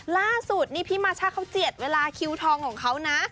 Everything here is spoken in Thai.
ล่าสุดนี่พี่มาช่าเขาเจียดเวลาคิวทองของเขานะ